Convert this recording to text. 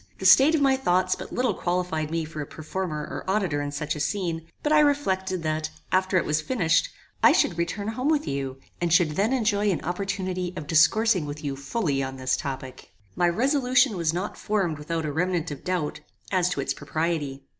The state of my thoughts but little qualified me for a performer or auditor in such a scene; but I reflected that, after it was finished, I should return home with you, and should then enjoy an opportunity of discoursing with you fully on this topic. My resolution was not formed without a remnant of doubt, as to its propriety.